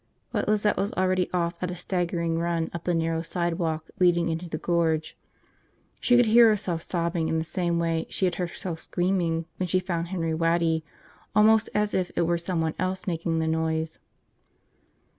But Lizette was already off at a staggering run up the narrow sidewalk leading into the Gorge. She could hear herself sobbing in the same way she had heard herself screaming when she found Henry Waddy, almost as if it were someone else making the noise.